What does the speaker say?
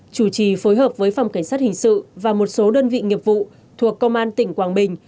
chủ trì phối hợp với phòng cảnh sát hình sự và một số đơn vị nghiệp vụ thuộc công an tỉnh quảng bình